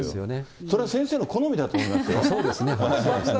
それは先生の好みだと思いまそうですね。